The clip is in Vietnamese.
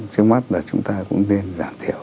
trước mắt là chúng ta cũng nên giảng thiểu